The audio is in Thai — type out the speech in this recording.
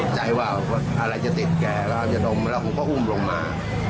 อะไรจะติดแกะเราอาจจะดมแล้วผมก็อุ่มลงมา